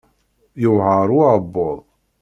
Yewɛer uɛebbuḍ.